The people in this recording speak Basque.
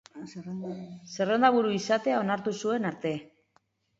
Zerrendaburu izatea onartu zuen arte.